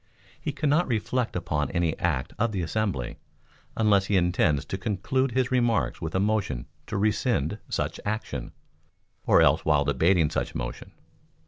He cannot reflect upon any act of the assembly, unless he intends to conclude his remarks with a motion to rescind such action, or else while debating such motion.